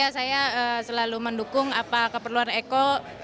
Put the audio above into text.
saya selalu mendukung apa keperluan eko